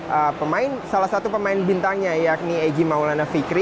ada salah satu pemain bintangnya yakni egy maulana fikri